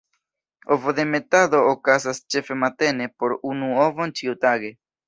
Ovodemetado okazas ĉefe matene, po unu ovon ĉiutage.